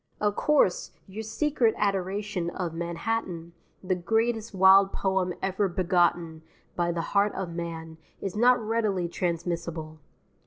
Of course, your secret adoration of Manhattan, the greatest wild poem ever begotten by the heart of man, is not readily transmissible.